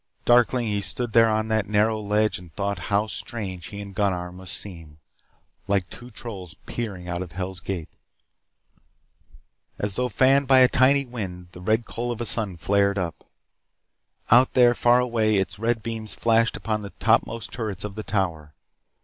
Darkling he stood there on that narrow ledge and thought how strange he and Gunnar must seem. Like two trolls peering out of Hell's Gate. As though fanned by a tiny wind the red coal of a sun flamed up. Out there, far away, its red beams flashed upon the topmost turrets of the Tower.